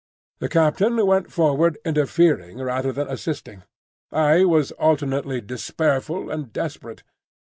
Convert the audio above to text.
The captain went forward interfering rather than assisting. I was alternately despairful and desperate.